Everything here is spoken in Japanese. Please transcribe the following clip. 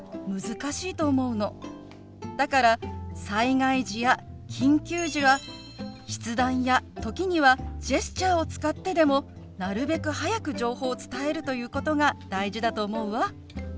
だから災害時や緊急時は筆談や時にはジェスチャーを使ってでもなるべく早く情報を伝えるということが大事だと思うわ。